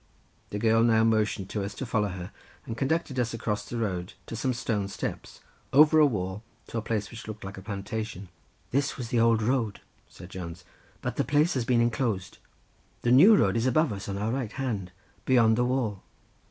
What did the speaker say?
The girl now motioned to us to follow her, and conducted us across the road to some stone steps, over a wall to a place which looked like a plantation. "This was the old road," said Jones; "but the place has been enclosed. The new road is above us on our right hand beyond the wall."